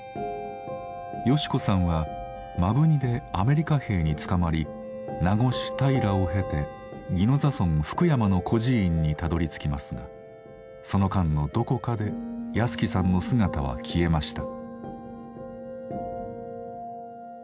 好子さんは摩文仁でアメリカ兵に捕まり名護市田井等を経て宜野座村福山の孤児院にたどりつきますがその間のどこかで保喜さんの姿は消えました。